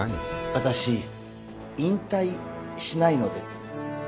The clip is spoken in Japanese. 「私引退しないので」